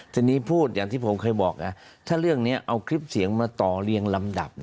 ทีนี้พูดอย่างที่ผมเคยบอกถ้าเรื่องนี้เอาคลิปเสียงมาต่อเรียงลำดับ